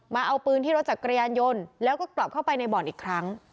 เอาปืนที่รถจักรยานยนต์แล้วก็กลับเข้าไปในบ่อนอีกครั้ง